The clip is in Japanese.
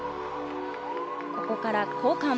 ここから交換。